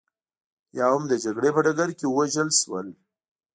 یا هم د جګړې په ډګر کې ووژل شول